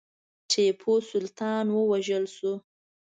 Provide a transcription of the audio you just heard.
ټیپو سلطان ووژل شو.